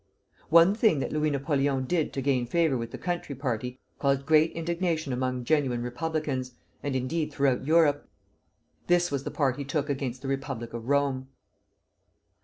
One thing that Louis Napoleon did to gain favor with the country party caused great indignation among genuine republicans, and, indeed, throughout Europe. This was the part he took against the Republic of Rome.